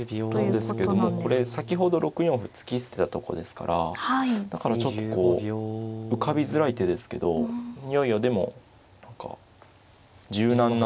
なんですけどもこれ先ほど６四歩突き捨てたとこですからだからちょっとこう浮かびづらい手ですけどいやいやでも何か柔軟な手ですね。